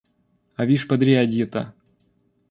А вишь подрядье-то!